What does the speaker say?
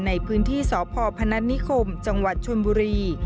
ในพื้นที่สพพนัทนิคมจังหวัดชนบุรี